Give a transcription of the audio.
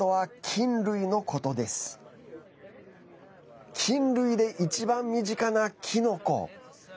菌類で一番身近なキノコ。